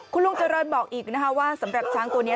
คุณลุงเจริญบอกอีกนะคะว่าสำหรับช้างตัวนี้